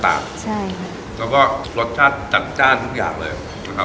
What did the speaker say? แล้วก็รสชาติจัดทุกอย่างเลย